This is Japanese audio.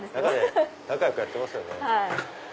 仲良くやってますよね。